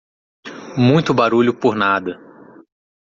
Muito barulho por nada